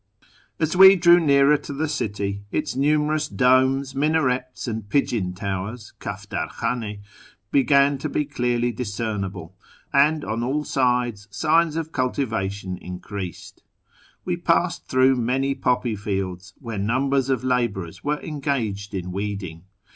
As we drew nearer to the city, its numerous domes, minarets, and pigeon towers {kaftar khdnS) began to be clearly discernible, and on all sides signs of cultivation in creased. We passed through many poppy fields, where numbers of labourers were engaged in weeding.